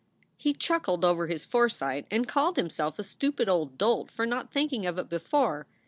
He chuckled over his foresight and called himself a stupid old dolt for not thinking of it before.